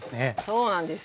そうなんです。